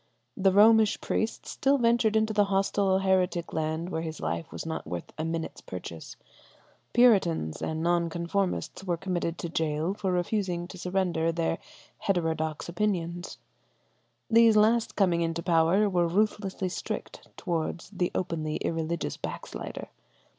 The Romish priest still ventured into the hostile heretic land where his life was not worth a minute's purchase; Puritans and Non conformists were committed to gaol for refusing to surrender their heterodox opinions: these last coming into power were ruthlessly strict towards the openly irreligious backslider.